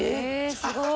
すごい！